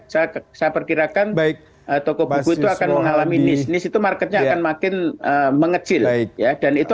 saya saya perkirakan baik atau kebanyakan mengalami nis itu marketnya akan makin mengecil ya dan itu